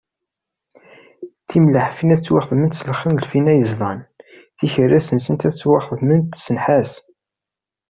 Timleḥfin ad ttwaxedment s lxiḍ n lfina yeẓdan, tikerras-nsent ad ttwaxedment s nnḥas.